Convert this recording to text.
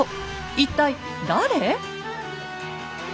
一体誰？